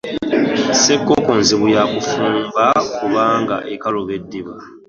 Ssekoko nzibu yafumba kubanga ekaluba eddiba